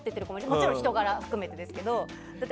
もちろん人柄も含めてですけど。